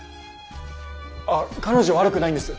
ああ彼女は悪くないんです。